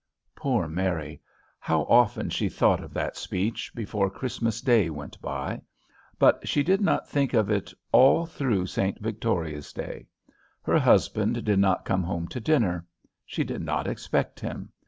Poor Mary, how often she thought of that speech, before Christmas day went by! But she did not think of it all through St. Victoria's day. Her husband did not come home to dinner. She did not expect him.